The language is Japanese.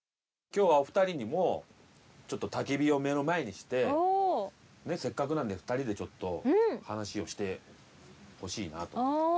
今日はお二人にもちょっと焚き火を目の前にしてせっかくなので２人でちょっと話をしてほしいなと。